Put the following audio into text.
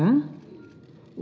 untuk memiliki kebijakan fiskal